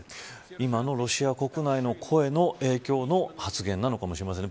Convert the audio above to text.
今のロシア国内の声の今日の発言なのかもしれません。